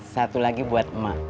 satu lagi buat emak